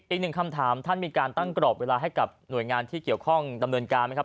อีกหนึ่งคำถามท่านมีการตั้งกรอบเวลาให้กับหน่วยงานที่เกี่ยวข้องดำเนินการไหมครับ